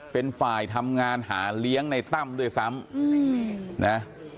เป็นฝ่ายทำงานหาเลี้ยงในตั้มด้วยซ้ำนะ